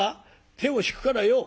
手を引くからよ」。